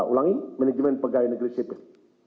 ulangi manajemen pegawai negeri sipil